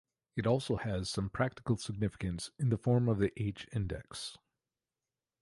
It also has some practical significance in the form of the h-index.